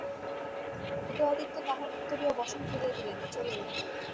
উদয়াদিত্য তাঁহার উত্তরীয় বসন ফেলিয়া দিলেন, চলিলেন।